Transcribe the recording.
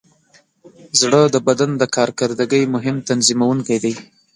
زړه د بدن د کارکردګۍ مهم تنظیموونکی دی.